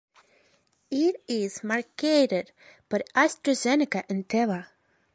It is marketed by AstraZeneca and Teva.